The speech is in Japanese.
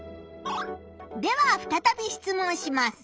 ではふたたび質問します。